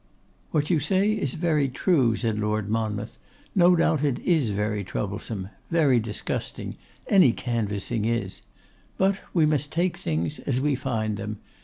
'What you say is very true,' said Lord Monmouth; 'no doubt it is very troublesome; very disgusting; any canvassing is. But we must take things as we find them.